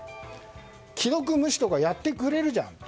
既読無視とかやってくれるじゃん。